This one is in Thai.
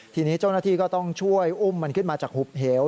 ทีนี้เจ้าหน้าที่ก็ต้องช่วยอุ้มมันขึ้นมาจากหุบเหว